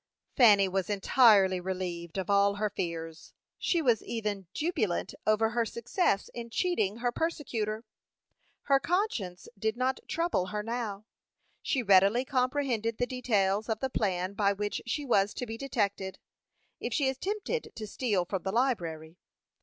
Fanny was entirely relieved of all her fears; she was even jubilant over her success in cheating her persecutor. Her conscience did not trouble her now. She readily comprehended the details of the plan by which she was to be detected, if she attempted to steal from the library.